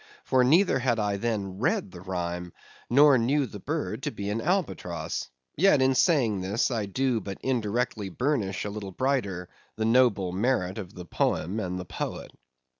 For neither had I then read the Rhyme, nor knew the bird to be an albatross. Yet, in saying this, I do but indirectly burnish a little brighter the noble merit of the poem and the poet.